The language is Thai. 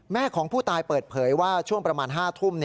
แม่ของผู้ตายเปิดเผยว่าช่วงประมาณ๕ทุ่ม